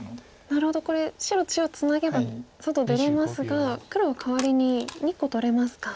なるほどこれ白中央ツナげば外出れますが黒はかわりに２個取れますか。